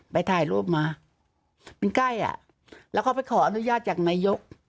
ไปถ่ายรูปมามันใกล้อ่ะแล้วเขาไปขออนุญาตจากนายก